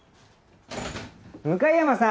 向山さん！